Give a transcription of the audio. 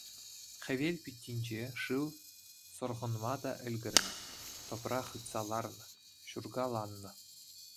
Хӗвел питтинче шыв сӑрхӑнма та ӗлкӗрнӗ, тӑпра хытса ларнӑ, ҫуркаланнӑ.